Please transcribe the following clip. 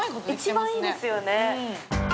一番いいですよね。